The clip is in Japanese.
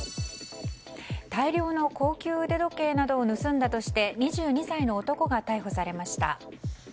大量の高級腕時計などを盗んだとして２２歳の男が逮捕されました。